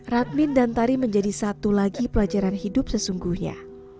radmin dan tari menjadi satu lagi pelajaran hidup sesungguhnya